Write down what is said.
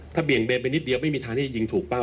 ถ้าเบี่ยงเบนไปนิดเดียวไม่มีทางที่จะยิงถูกเป้า